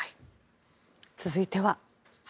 続いては。